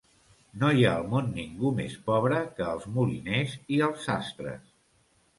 No hi ha al món ningú més pobre que els moliners i els sastres.